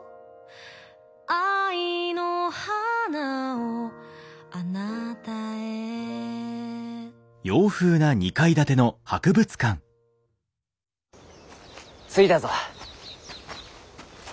「愛の花を貴方へ」着いたぞ。